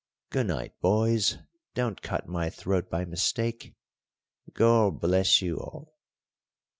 Goo' night, boys; don't cut my throat by mistake. Gor bless you all."